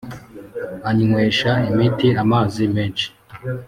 Anywesha imiti amazi menshi